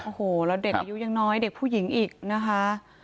โอ้โหแล้วเด็กอายุยังน้อยเด็กผู้หญิงอีกนะคะ